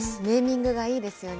ネーミングがいいですよね。